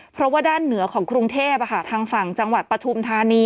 เพราะว่าด้านเหนือของกรุงเทพอ่ะค่ะทางฝั่งจปฐุมธานี